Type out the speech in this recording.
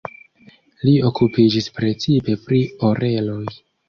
Li okupiĝis precipe pri oreloj.